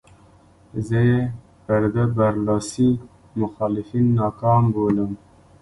زه یې پر ده برلاسي مخالفین ناکام بولم.